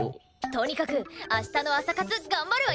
とにかく明日の朝活頑張るわよ！